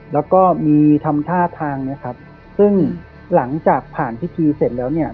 แล้วก็มีทำท่าทางเนี้ยครับซึ่งหลังจากผ่านพิธีเสร็จแล้วเนี่ย